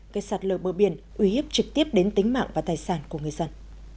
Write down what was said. cây sạt lờ bờ biển uy hiếp trực tiếp đến tính mạng và tài sản của người dân